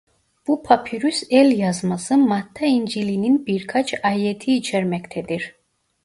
Bu papirüs el yazması Matta İncili'nin birkaç ayeti içermektedir.